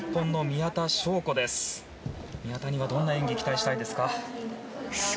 宮田にはどんな演技を期待したいですか？